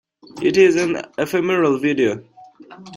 It is an ephemeral video.